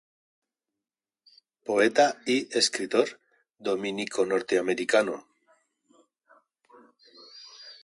Poeta y escritor dominico-norteamericano.